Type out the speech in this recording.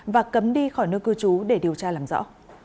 và cấm đi khỏi nơi cư trú để điều tra làm rõ